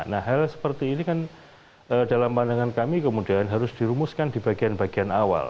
nah hal seperti ini kan dalam pandangan kami kemudian harus dirumuskan di bagian bagian awal